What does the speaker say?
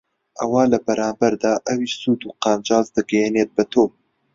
ئەوا لە بەرامبەردا ئەویش سوود و قازانج دەگەیەنێت بەتۆ